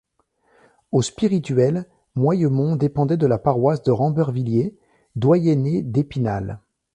Au spirituel, Moyemont dépendait de la paroisse de Rambervillers, doyenné d’Épinal.